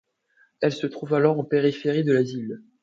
Elle se trouve alors en périphérie de la ville.